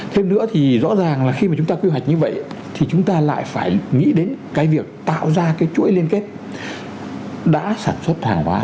thêm nữa thì rõ ràng là khi mà chúng ta quy hoạch như vậy thì chúng ta lại phải nghĩ đến cái việc tạo ra cái chuỗi liên kết đã sản xuất hàng hóa